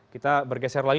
kita bergeser lagi